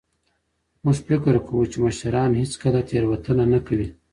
موږ فکر کوو چي مشران هیڅکله تېروتنه نه کوي.